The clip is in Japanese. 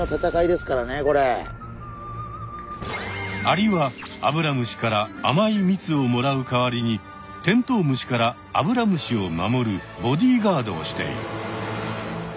アリはアブラムシからあまいみつをもらうかわりにテントウムシからアブラムシを守るボディーガードをしている。